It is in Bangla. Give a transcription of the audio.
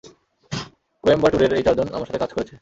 কোয়েম্বাটুরের এই চারজন আমার সাথে কাজ করেছে।